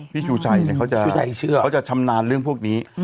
พี่ชูชัยเนี่ยเขาจะชำนาญเรื่องพวกนี้